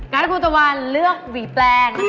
งั้นคุณตะวันเลือกหวีแปลง